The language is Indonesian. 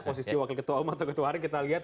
posisi wakil ketua umum atau ketua hari kita lihat